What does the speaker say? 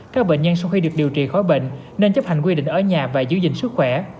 các bệnh nhân sau khi được điều trị khói bệnh nên chấp hành quy định ở nhà và giữ gìn sức khỏe